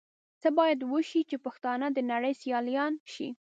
څه بايد وشي چې پښتانهٔ د نړۍ سيالان شي؟